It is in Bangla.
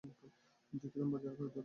দেখিলাম, কাগজের উপর একটি ছোটো হাতের ছাপ।